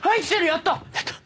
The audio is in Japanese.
やった！